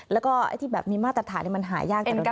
แล้วก็ที่แบบมีมาตรฐานมันหายากกระดูก